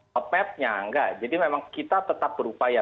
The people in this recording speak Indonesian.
tapi itu memang kita tetap berupaya